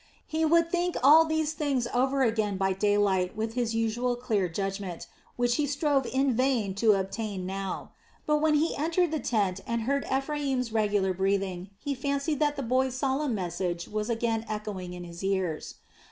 He would think all these things over again by daylight with his usual clear judgment, which he strove in vain to obtain now. But when he entered the tent and heard Ephraim's regular breathing, he fancied that the boy's solemn message was again echoing in his ears.